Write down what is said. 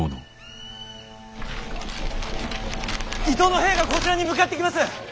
伊東の兵がこちらに向かってきます！